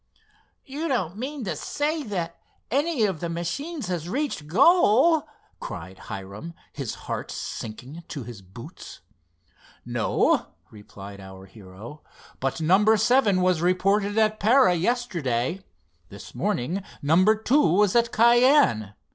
"You don't mean to say that any of the machines has reached goal?" cried Hiram, his heart sinking to his boots. "No," replied our hero; "but number seven was reported at Para yesterday. This morning number two was at Cayenne.